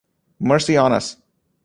Mercy on us!